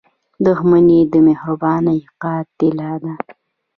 • دښمني د مهربانۍ قاتله ده.